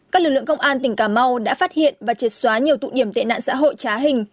các lực lượng công an tỉnh cà mau đã phát hiện và triệt xóa nhiều tụ điểm tệ nạn xã hội trá hình